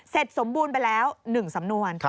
สมบูรณ์ไปแล้ว๑สำนวน